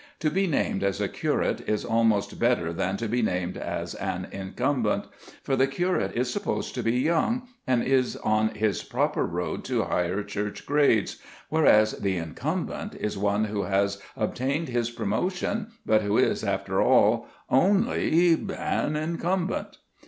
To be named as a curate is almost better than to be named as an incumbent; for the curate is supposed to be young, and is on his proper road to higher church grades, whereas the incumbent is one who has obtained his promotion, but who is, after all, only an incumbent.